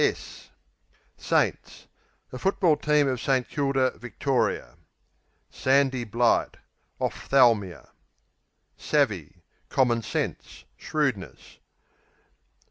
Saints A football team of St Kilda, Victoria. Sandy blight Ophthalmia. Savvy Common sense; shrewdness.